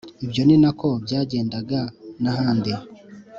Ibyo ni na ko byagendaga n ahandi